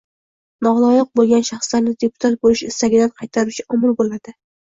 noloyiq bo‘lgan shaxslarni deputat bo‘lish istagidan qaytaruvchi omil bo‘ladi.